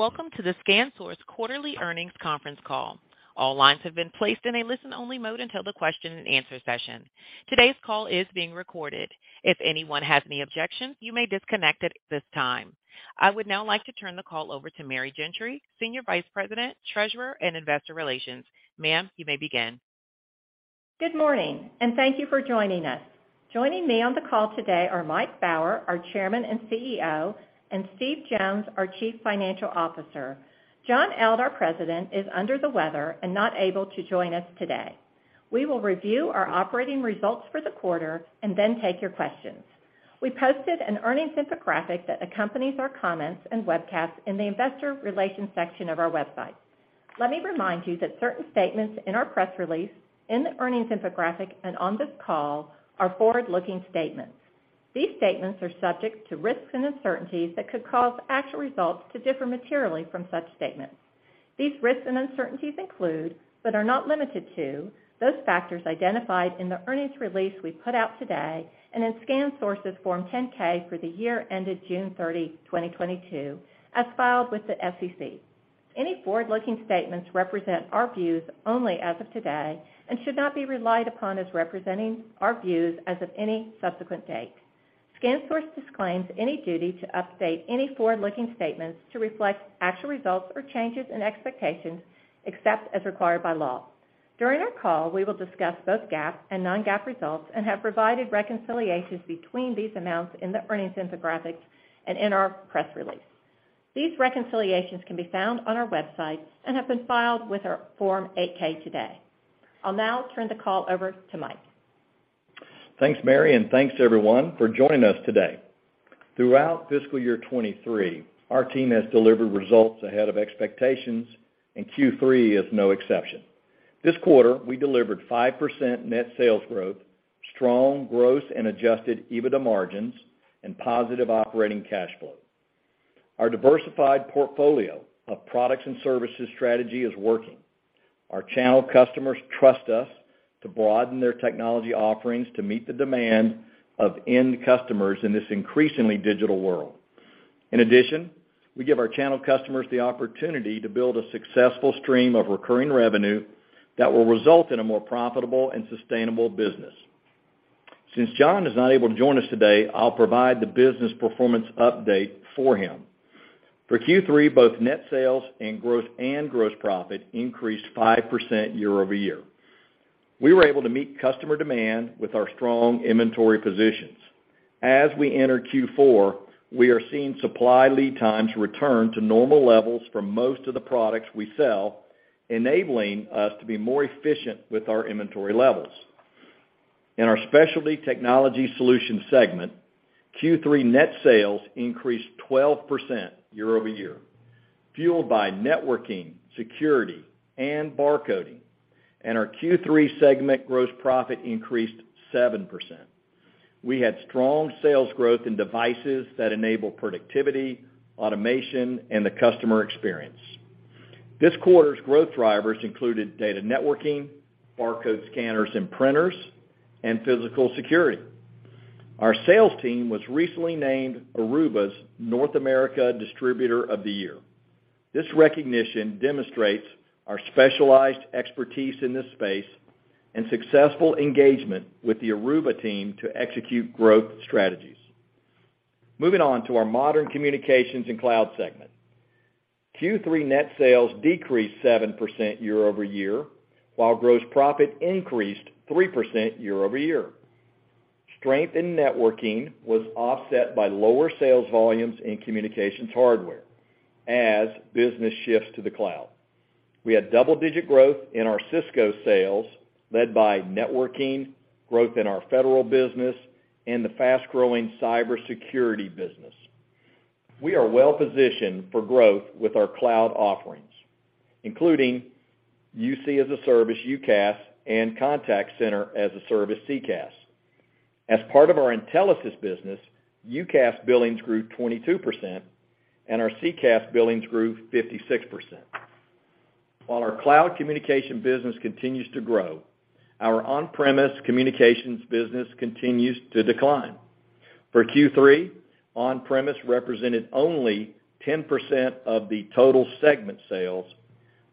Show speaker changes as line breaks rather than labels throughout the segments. Welcome to the ScanSource Quarterly Earnings Conference Call. All lines have been placed in a listen-only mode until the question-and-answer session. Today's call is being recorded. If anyone has any objections, you may disconnect at this time. I would now like to turn the call over to Mary Gentry, Senior Vice President, Treasurer, and Investor Relations. Ma'am, you may begin.
Good morning, and thank you for joining us. Joining me on the call today are Mike Baur, our Chairman and CEO, and Steve Jones, our Chief Financial Officer. John Eldh, President, is under the weather and not able to join us today. We will review our operating results for the quarter and then take your questions. We posted an earnings infographic that accompanies our comments and webcast in the investor relations section of our website. Let me remind you that certain statements in our press release, in the earnings infographic, and on this call are forward-looking statements. These statements are subject to risks and uncertainties that could cause actual results to differ materially from such statements. These risks and uncertainties include, but are not limited to, those factors identified in the earnings release we put out today and in ScanSource's Form 10-K for the year ended June 30, 2022, as filed with the SEC. Any forward-looking statements represent our views only as of today and should not be relied upon as representing our views as of any subsequent date. ScanSource disclaims any duty to update any forward-looking statements to reflect actual results or changes in expectations except as required by law. During our call, we will discuss both GAAP and non-GAAP results and have provided reconciliations between these amounts in the earnings infographic and in our press release. These reconciliations can be found on our website and have been filed with our Form 8-K today. I'll now turn the call over to Mike.
Thanks, Mary, thanks to everyone for joining us today. Throughout fiscal year 2023, our team has delivered results ahead of expectations. Q3 is no exception. This quarter, we delivered 5% net sales growth, strong growth and adjusted EBITDA margins, and positive operating cash flow. Our diversified portfolio of products and services strategy is working. Our channel customers trust us to broaden their technology offerings to meet the demand of end customers in this increasingly digital world. In addition, we give our channel customers the opportunity to build a successful stream of recurring revenue that will result in a more profitable and sustainable business. Since John is not able to join us today, I'll provide the business performance update for him. For Q3, both net sales and growth and gross profit increased 5% year-over-year. We were able to meet customer demand with our strong inventory positions. As we enter Q4, we are seeing supply lead times return to normal levels for most of the products we sell, enabling us to be more efficient with our inventory levels. In our Specialty Technology Solutions segment, Q3 net sales increased 12% year-over-year, fueled by networking, security, and barcoding, and our Q3 segment gross profit increased 7%. We had strong sales growth in devices that enable productivity, automation, and the customer experience. This quarter's growth drivers included data networking, barcode scanners and printers, and physical security. Our sales team was recently named Aruba's North America Distributor of the Year. This recognition demonstrates our specialized expertise in this space and successful engagement with the Aruba team to execute growth strategies. Moving on to our Modern Communications and Cloud segment. Q3 net sales decreased 7% year-over-year, while gross profit increased 3% year-over-year. Strength in networking was offset by lower sales volumes in communications hardware as business shifts to the cloud. We had double-digit growth in our Cisco sales, led by networking, growth in our federal business, and the fast-growing cybersecurity business. We are well-positioned for growth with our cloud offerings, including UC as a service, UCaaS, and contact center as a service, CCaaS. As part of our Intelisys business, UCaaS billings grew 22%, and our CCaaS billings grew 56%. Our cloud communication business continues to grow, our on-premise communications business continues to decline. For Q3, on-premise represented only 10% of the total segment sales,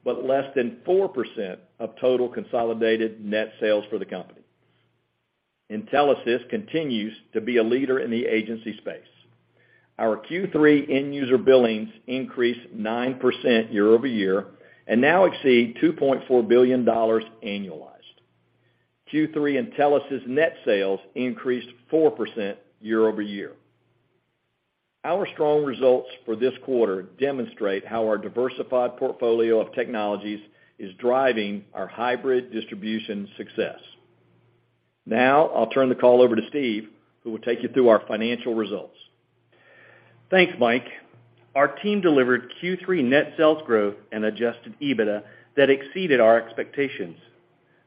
but less than 4% of total consolidated net sales for the company. Intelisys continues to be a leader in the agency space. Our Q3 end user billings increased 9% year-over-year and now exceed $2.4 billion annualized. Q3 Intelisys net sales increased 4% year-over-year. Our strong results for this quarter demonstrate how our diversified portfolio of technologies is driving our hybrid distribution success. I'll turn the call over to Steve, who will take you through our financial results.
Thanks, Mike. Our team delivered Q3 net sales growth and adjusted EBITDA that exceeded our expectations.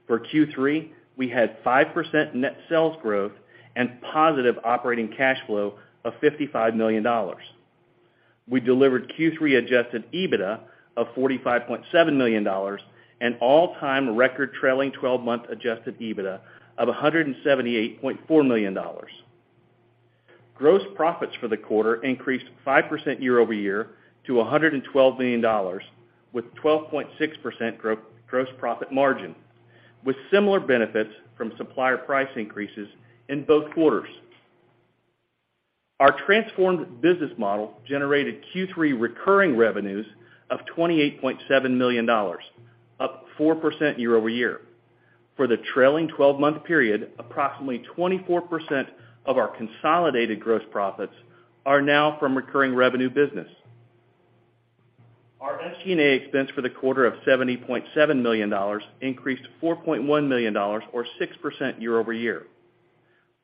For Q3, we had 5% net sales growth and positive operating cash flow of $55 million. We delivered Q3 adjusted EBITDA of $45.7 million and all-time record trailing twelve-month adjusted EBITDA of $178.4 million. Gross profits for the quarter increased 5% year-over-year to $112 million with 12.6% gross profit margin, with similar benefits from supplier price increases in both quarters. Our transformed business model generated Q3 recurring revenues of $28.7 million, up 4% year-over-year. For the trailing 12-month period, approximately 24% of our consolidated gross profits are now from recurring revenue business. Our SG&A expense for the quarter of $70.7 million increased $4.1 million or 6% year-over-year.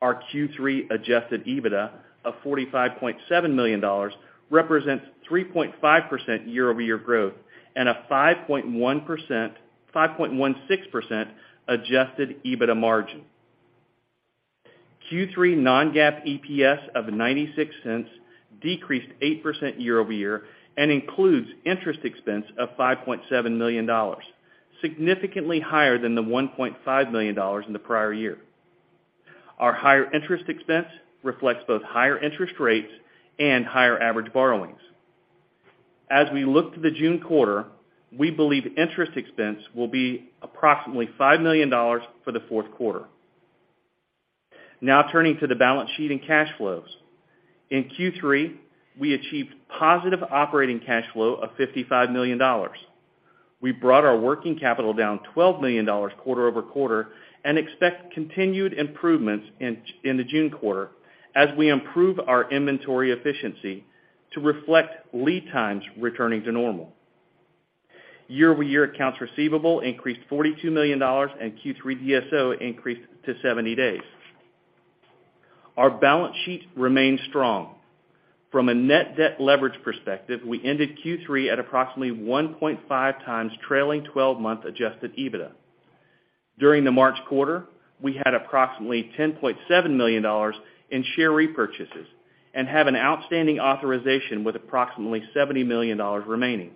Our Q3 adjusted EBITDA of $45.7 million represents 3.5% year-over-year growth and a 5.16% adjusted EBITDA margin. Q3 non-GAAP EPS of $0.96 decreased 8% year-over-year and includes interest expense of $5.7 million, significantly higher than the $1.5 million in the prior year. Our higher interest expense reflects both higher interest rates and higher average borrowings. As we look to the June quarter, we believe interest expense will be approximately $5 million for the fourth quarter. Turning to the balance sheet and cash flows. In Q3, we achieved positive operating cash flow of $55 million. We brought our working capital down $12 million quarter-over-quarter and expect continued improvements in the June quarter as we improve our inventory efficiency to reflect lead times returning to normal. year-over-year accounts receivable increased $42 million, and Q3 DSO increased to 70 days. Our balance sheet remains strong. From a net debt leverage perspective, we ended Q3 at approximately 1.5x trailing 12-month adjusted EBITDA. During the March quarter, we had approximately $10.7 million in share repurchases and have an outstanding authorization with approximately $70 million remaining.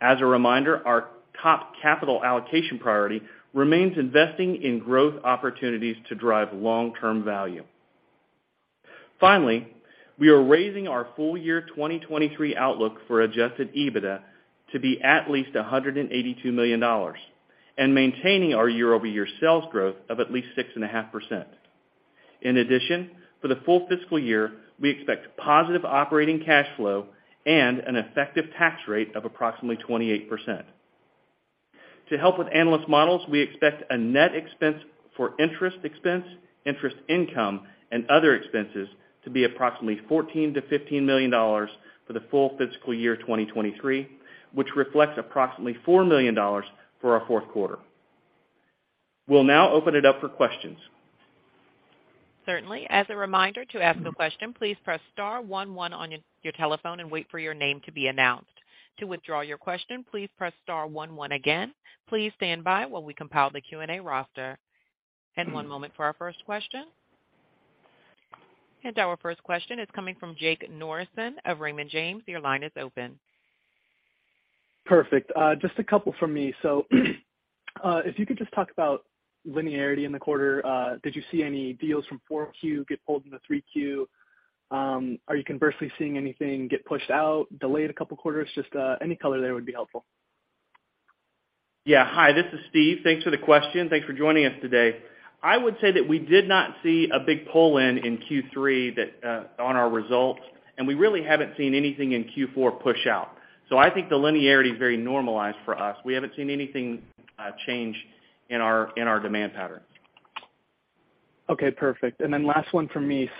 As a reminder, our top capital allocation priority remains investing in growth opportunities to drive long-term value. We are raising our full year 2023 outlook for adjusted EBITDA to be at least $182 million and maintaining our year-over-year sales growth of at least 6.5%. For the full fiscal year, we expect positive operating cash flow and an effective tax rate of approximately 28%. To help with analyst models, we expect a net expense for interest expense, interest income, and other expenses to be approximately $14 million-$15 million for the full fiscal year 2023, which reflects approximately $4 million for our fourth quarter. We'll now open it up for questions.
Certainly. As a reminder, to ask a question, please press star one one on your telephone and wait for your name to be announced. To withdraw your question, please press star one one again. Please stand by while we compile the Q&A roster. One moment for our first question. Our first question is coming from Jake Norrison of Raymond James. Your line is open.
Perfect. Just a couple from me. If you could just talk about linearity in the quarter, did you see any deals from 4Q get pulled into 3Q? Are you conversely seeing anything get pushed out, delayed a couple quarters? Just any color there would be helpful.
Yeah. Hi, this is Steve. Thanks for the question. Thanks for joining us today. I would say that we did not see a big pull-in in Q3 that, on our results, and we really haven't seen anything in Q4 push out. I think the linearity is very normalized for us. We haven't seen anything change in our demand pattern.
Okay. Perfect. Last one for me.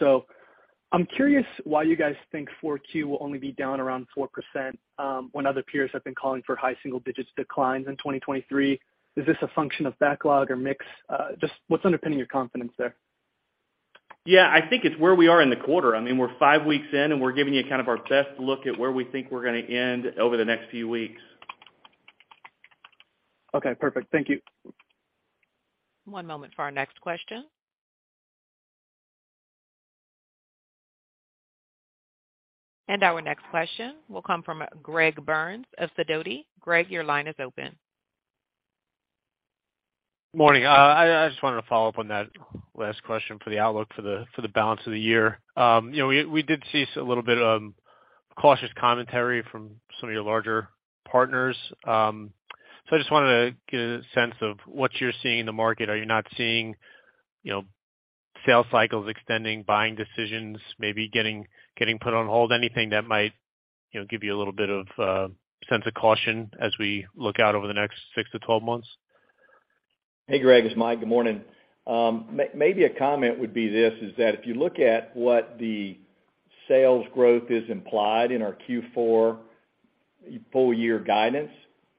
I'm curious why you guys think 4Q will only be down around 4%, when other peers have been calling for high single digits declines in 2023. Is this a function of backlog or mix? Just what's underpinning your confidence there?
Yeah. I think it's where we are in the quarter. I mean, we're five weeks in, and we're giving you kind of our best look at where we think we're gonna end over the next few weeks.
Okay. Perfect. Thank you.
One moment for our next question. Our next question will come from Greg Burns of Sidoti. Greg, your line is open.
Morning. I just wanted to follow up on that last question for the outlook for the balance of the year. you know, we did see a little bit of cautious commentary from some of your larger partners. I just wanted to get a sense of what you're seeing in the market. Are you not seeing, you know, sales cycles extending, buying decisions maybe getting put on hold? Anything that might, you know, give you a little bit of sense of caution as we look out over the next six to 12 months?
Hey, Greg, it's Mike. Good morning. maybe a comment would be this, is that if you look at what the sales growth is implied in our Q4 full year guidance,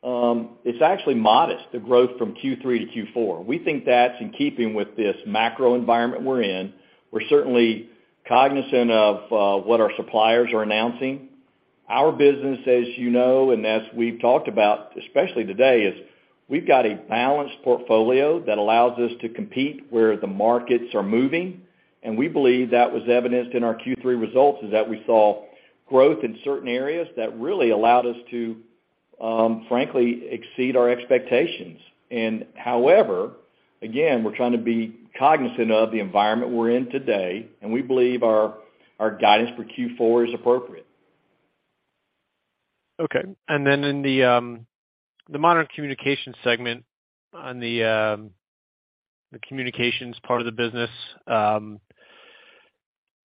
it's actually modest, the growth from Q3 to Q4. We think that's in keeping with this macro environment we're in. We're certainly cognizant of what our suppliers are announcing. Our business, as you know, and as we've talked about, especially today, is we've got a balanced portfolio that allows us to compete where the markets are moving, and we believe that was evidenced in our Q3 results, is that we saw growth in certain areas that really allowed us to, frankly exceed our expectations. However, again, we're trying to be cognizant of the environment we're in today, and we believe our guidance for Q4 is appropriate.
Okay. In the Modern Communications segment on the Communications part of the business,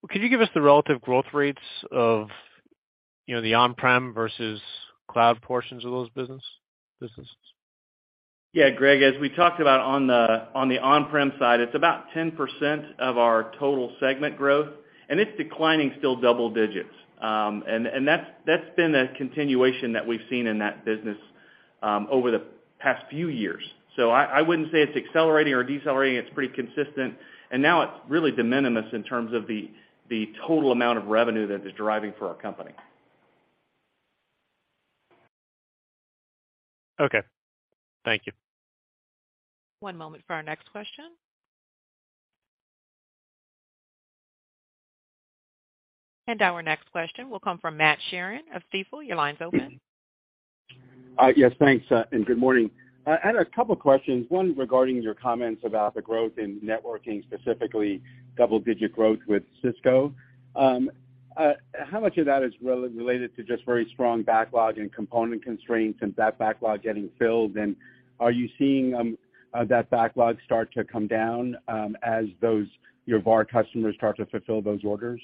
could you give us the relative growth rates of, you know, the on-prem versus Cloud portions of those businesses?
Yeah, Greg, as we talked about on the on-prem side, it's about 10% of our total segment growth. It's declining still double digits. That's been a continuation that we've seen in that business over the past few years. I wouldn't say it's accelerating or decelerating. It's pretty consistent. Now it's really de minimis in terms of the total amount of revenue that it's driving for our company.
Okay. Thank you.
One moment for our next question. Our next question will come from Matt Sheerin of Stifel. Your line's open.
Yes, thanks, and good morning. I had a couple of questions, one regarding your comments about the growth in networking, specifically double-digit growth with Cisco. How much of that is related to just very strong backlog and component constraints and that backlog getting filled? Are you seeing that backlog start to come down as those, your VAR customers start to fulfill those orders?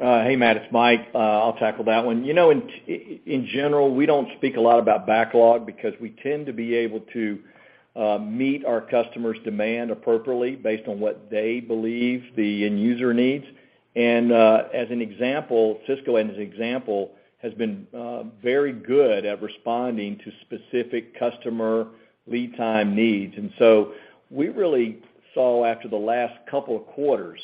Hey, Matt, it's Mike Baur. I'll tackle that one. You know, in general, we don't speak a lot about backlog because we tend to be able to meet our customer's demand appropriately based on what they believe the end user needs. As an example, Cisco, as an example, has been very good at responding to specific customer lead time needs. We really saw after the last couple of quarters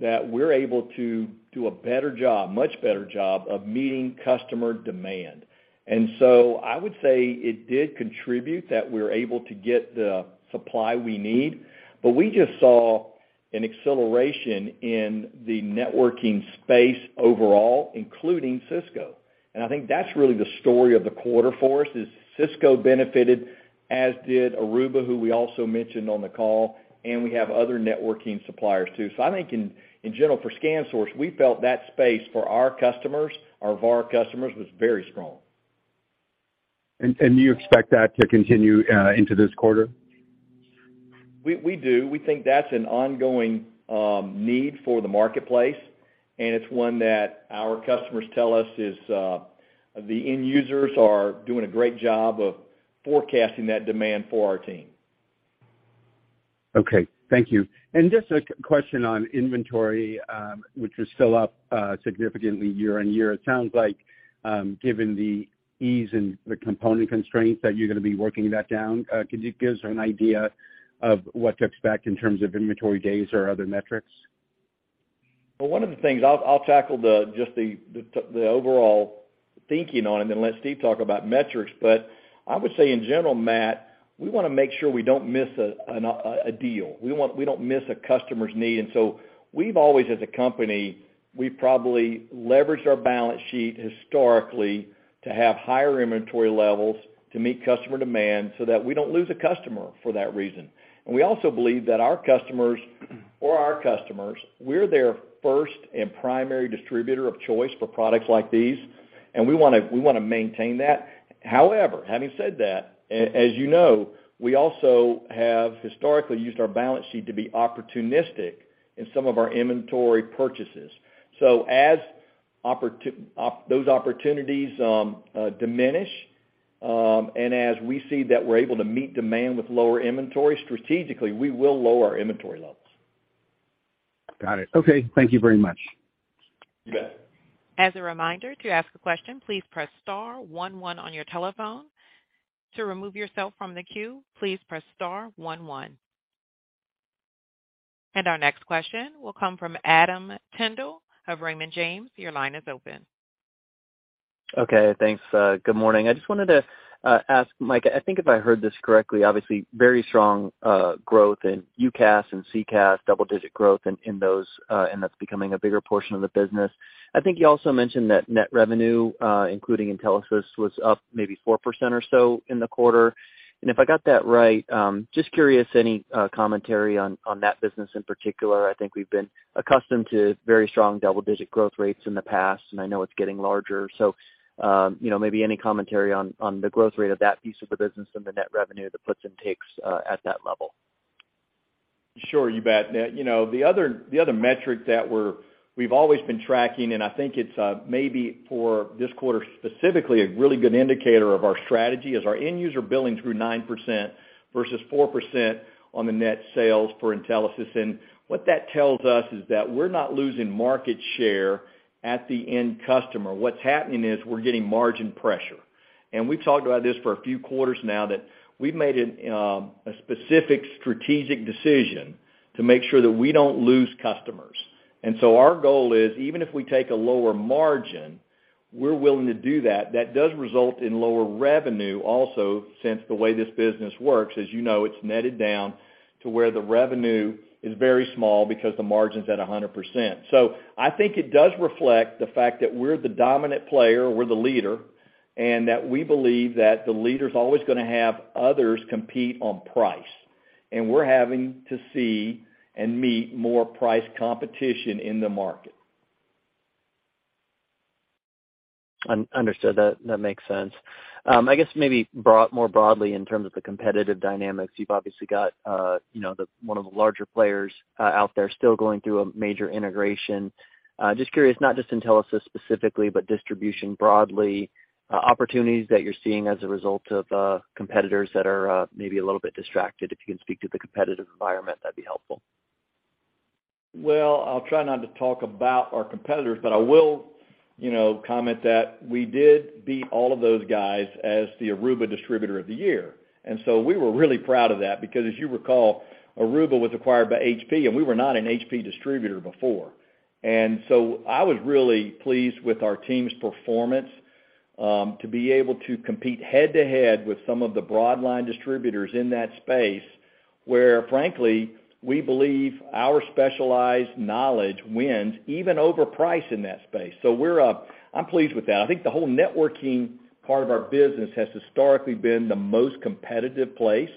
that we're able to do a much better job of meeting customer demand. I would say it did contribute that we're able to get the supply we need. We just saw an acceleration in the networking space overall, including Cisco. I think that's really the story of the quarter for us is Cisco benefited, as did Aruba, who we also mentioned on the call, and we have other networking suppliers too. I think in general, for ScanSource, we felt that space for our customers, our VAR customers, was very strong.
Do you expect that to continue into this quarter?
We do. We think that's an ongoing need for the marketplace, and it's one that our customers tell us is the end users are doing a great job of forecasting that demand for our team.
Okay. Thank you. Just a question on inventory, which is still up significantly year-over-year. It sounds like, given the ease in the component constraints that you're gonna be working that down, can you give us an idea of what to expect in terms of inventory days or other metrics?
Well, one of the things I'll tackle the overall thinking on it and let Steve talk about metrics. I would say in general, Matt, we wanna make sure we don't miss a deal. We don't miss a customer's need. We've always, as a company, we've probably leveraged our balance sheet historically to have higher inventory levels to meet customer demand so that we don't lose a customer for that reason. We also believe that our customers, for our customers, we're their first and primary distributor of choice for products like these, and we wanna maintain that. Having said that, as you know, we also have historically used our balance sheet to be opportunistic in some of our inventory purchases. As those opportunities diminish, and as we see that we're able to meet demand with lower inventory strategically, we will lower our inventory levels.
Got it. Okay. Thank you very much.
You bet.
As a reminder, to ask a question, please press star one one on your telephone. To remove yourself from the queue, please press star one one. Our next question will come from Adam Tindle of Raymond James. Your line is open.
Okay, thanks. Good morning. I just wanted to ask Mike, I think if I heard this correctly, obviously very strong growth in UCaaS and CCaaS, double-digit growth in those, and that's becoming a bigger portion of the business. I think you also mentioned that net revenue, including Intelisys, was up maybe 4% or so in the quarter. If I got that right, just curious, any commentary on that business in particular. I think we've been accustomed to very strong double-digit growth rates in the past, and I know it's getting larger. You know, maybe any commentary on the growth rate of that piece of the business and the net revenue that puts and takes at that level.
Sure, you bet. You know, the other metric that we've always been tracking, and I think it's maybe for this quarter specifically, a really good indicator of our strategy is our end user billing through 9% versus 4% on the net sales for Intelisys. What that tells us is that we're not losing market share at the end customer. What's happening is we're getting margin pressure. We've talked about this for a few quarters now that we've made a specific strategic decision to make sure that we don't lose customers. Our goal is, even if we take a lower margin, we're willing to do that. That does result in lower revenue also, since the way this business works, as you know, it's netted down to where the revenue is very small because the margin's at 100%. I think it does reflect the fact that we're the dominant player, we're the leader, and that we believe that the leader's always gonna have others compete on price. We're having to see and meet more price competition in the market.
Understood that. That makes sense. I guess maybe more broadly in terms of the competitive dynamics, you've obviously got, you know, one of the larger players out there still going through a major integration. Just curious, not just Intelisys specifically, but distribution broadly, opportunities that you're seeing as a result of competitors that are maybe a little bit distracted. If you can speak to the competitive environment, that'd be helpful.
I'll try not to talk about our competitors, but I will, you know, comment that we did beat all of those guys as the Aruba Distributor of the Year. We were really proud of that because as you recall, Aruba was acquired by HP, and we were not an HP distributor before. I was really pleased with our team's performance to be able to compete head to head with some of the broad line distributors in that space, where frankly, we believe our specialized knowledge wins even over price in that space. I'm pleased with that. I think the whole networking part of our business has historically been the most competitive place,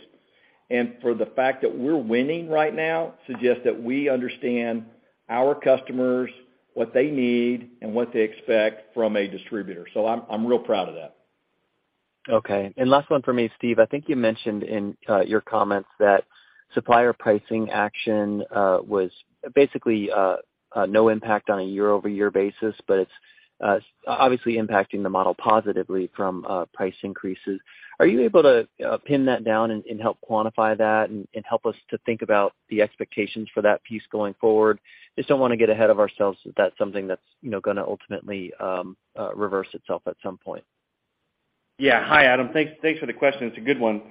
and for the fact that we're winning right now suggests that we understand our customers, what they need, and what they expect from a distributor. I'm real proud of that.
Okay. Last one for me, Steve. I think you mentioned in your comments that supplier pricing action was basically no impact on a year-over-year basis, but it's obviously impacting the model positively from price increases. Are you able to pin that down and help quantify that and help us to think about the expectations for that piece going forward? Just don't wanna get ahead of ourselves if that's something that's, you know, gonna ultimately reverse itself at some point.
Yeah. Hi, Adam. Thanks for the question. It's a good one.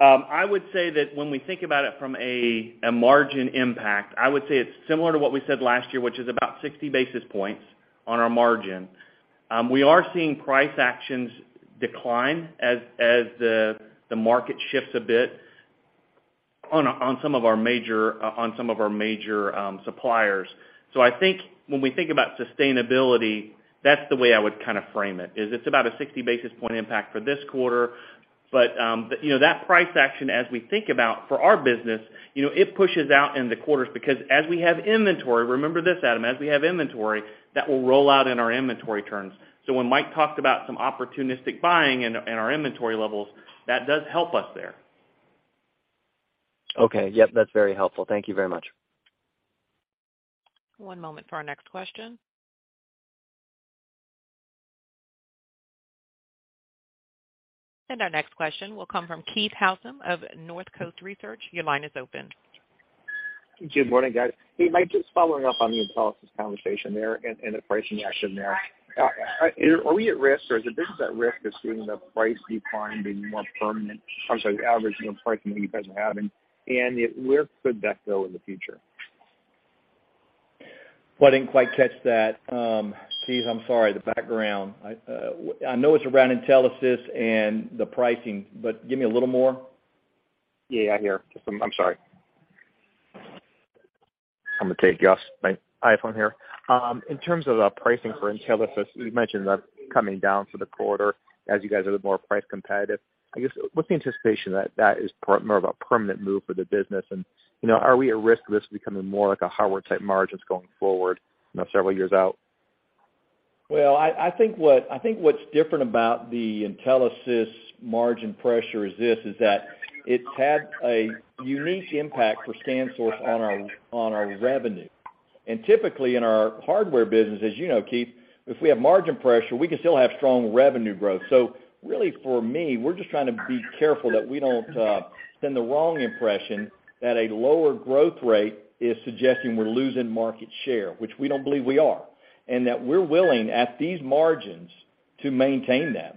I would say that when we think about it from a margin impact, I would say it's similar to what we said last year, which is about 60 basis points on our margin. We are seeing price actions decline as the market shifts a bit on some of our major suppliers. I think when we think about sustainability, that's the way I would kind of frame it, is it's about a 60 basis point impact for this quarter. You know, that price action as we think about for our business, you know, it pushes out in the quarters because as we have inventory, remember this, Adam, as we have inventory, that will roll out in our inventory turns. When Mike talked about some opportunistic buying and our inventory levels, that does help us there.
Okay. Yep, that's very helpful. Thank you very much.
One moment for our next question. Our next question will come from Keith Housum of Northcoast Research. Your line is open.
Good morning, guys. Hey, Mike, just following up on the Intelisys conversation there and the pricing action there. Are we at risk or is the business at risk of seeing the price decline more permanent? I'm sorry, the average, you know, pricing that you guys are having, where could that go in the future?
I didn't quite catch that. Keith, I'm sorry. The background. I know it's around Intelisys and the pricing, but give me a little more.
Yeah. Yeah, I hear. I'm sorry. I'm gonna take guess. My iPhone here. In terms of pricing for Intelisys, you mentioned that coming down for the quarter as you guys are the more price competitive. I guess, what's the anticipation that that is more of a permanent move for the business? You know, are we at risk of this becoming more like a hardware type margins going forward, you know, several years out?
Well, I think what's different about the Intelisys margin pressure is this, is that it's had a unique impact for ScanSource on our revenue. Typically in our hardware business, as you know, Keith, if we have margin pressure, we can still have strong revenue growth. Really for me, we're just trying to be careful that we don't send the wrong impression that a lower growth rate is suggesting we're losing market share, which we don't believe we are. That we're willing at these margins to maintain that.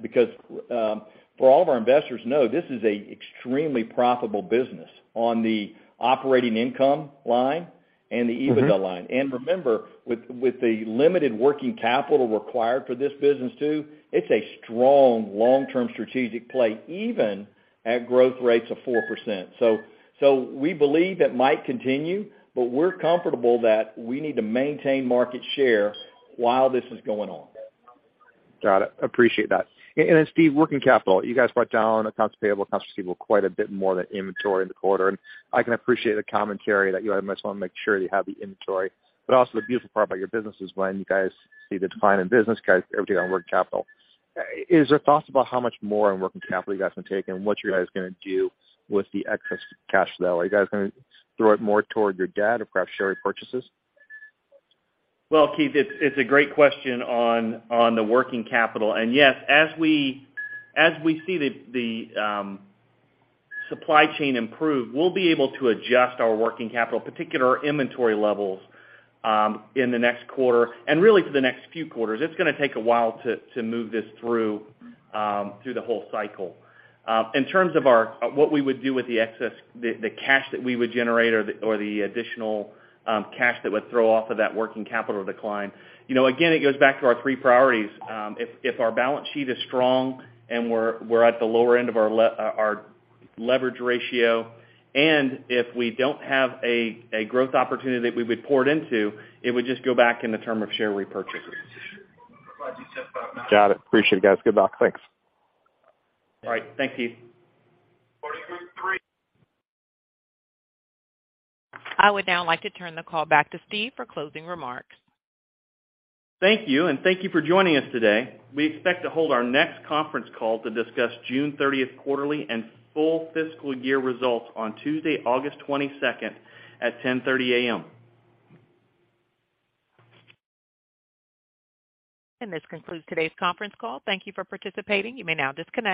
For all of our investors know, this is a extremely profitable business on the operating income line and the EBITDA line. Remember, with the limited working capital required for this business too, it's a strong long-term strategic play, even at growth rates of 4%. We believe it might continue, but we're comfortable that we need to maintain market share while this is going on.
Got it. Appreciate that. Steve, working capital. You guys brought down accounts payable, accounts receivable quite a bit more than inventory in the quarter, and I can appreciate the commentary that you almost wanna make sure you have the inventory. Also the beautiful part about your business is when you guys see the decline in business, you guys take care of the working capital. Is there thoughts about how much more in working capital you guys can take and what you guys are gonna do with the excess cash flow? Are you guys gonna throw it more toward your debt or perhaps share repurchases?
Well, Keith Housum, it's a great question on the working capital. Yes, as we see the supply chain improve, we'll be able to adjust our working capital, particular our inventory levels, in the next quarter and really for the next few quarters. It's gonna take a while to move this through through the whole cycle. In terms of what we would do with the excess the cash that we would generate or the additional cash that would throw off of that working capital decline, you know, again, it goes back to our three priorities. If our balance sheet is strong and we're at the lower end of our leverage ratio, and if we don't have a growth opportunity that we would pour it into, it would just go back in the term of share repurchases.
Got it. Appreciate it, guys. Good luck. Thanks.
All right. Thank you.
I would now like to turn the call back to Steve for closing remarks.
Thank you. Thank you for joining us today. We expect to hold our next conference call to discuss June 30th quarterly and full fiscal year results on Tuesday, August 22nd at 10:30 A.M.
This concludes today's conference call. Thank you for participating. You may now disconnect.